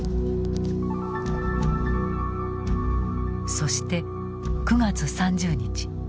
そして９月３０日。